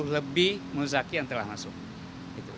lebih muzaki yang telah masuk